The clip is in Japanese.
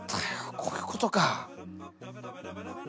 こういうことか！